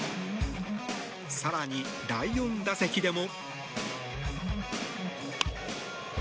更に、第４打席でも。